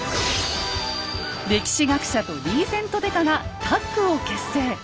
歴史学者とリーゼント刑事がタッグを結成。